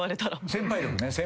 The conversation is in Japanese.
先輩力ね。